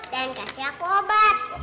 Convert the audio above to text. dan kasih aku obat